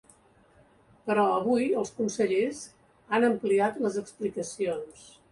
Però avui els consellers han ampliat les explicacions.